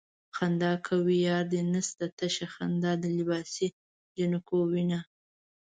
خندا کوې ياري دې نشته تشه خندا د لباسې جنکو وينه